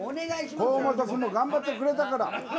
河本君も頑張ってくれたから。